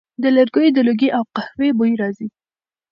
د لرګیو د لوګي او قهوې بوی راځي